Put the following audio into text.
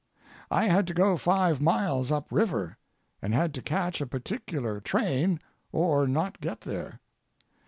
I had to go five miles up river, and had to catch a particular train or not get there.